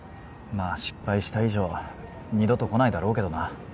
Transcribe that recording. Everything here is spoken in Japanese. まあ失敗した以上は二度と来ないだろうけどな。